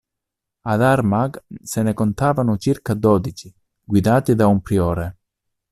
Ad Armagh se ne contavano circa dodici, guidati da un priore.